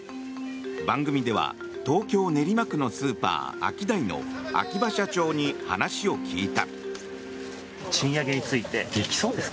番組では東京・練馬区のスーパーアキダイの秋葉社長に話を聞いた。